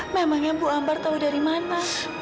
memangnya bu ambar tahu dari mana